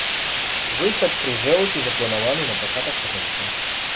Выхад кружэлкі запланаваны на пачатак сакавіка.